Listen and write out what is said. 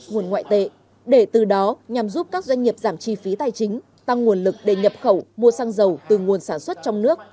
nguồn ngoại tệ để từ đó nhằm giúp các doanh nghiệp giảm chi phí tài chính tăng nguồn lực để nhập khẩu mua xăng dầu từ nguồn sản xuất trong nước